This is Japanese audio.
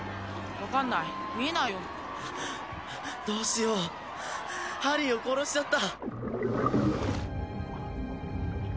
分かんない見えないよどうしようハリーを殺しちゃった！